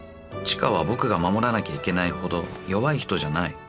［知花は僕が守らなきゃいけないほど弱い人じゃない］